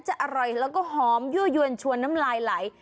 อร่อยแล้วก็หอมยั่วยวนชวนน้ำลายไหล